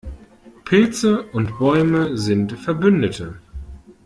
Pilze und Bäume sind Verbündete.